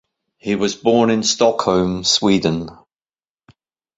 He was born in Stockholm, Sweden.